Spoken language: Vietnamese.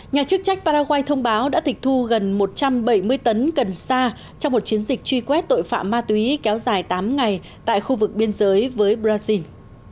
nhà chức trách paraguay thông báo đã tịch thu gần một trăm bảy mươi tấn cần sa trong một chiến dịch truy quét tội phạm ma túy kéo dài tám ngày tại khu vực biên giới với brazil